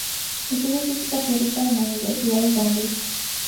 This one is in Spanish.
Estudió Física Teórica en la Universidad de Cambridge.